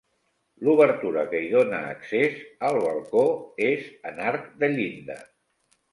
L'obertura que hi dóna accés, al balcó, és en arc de llinda.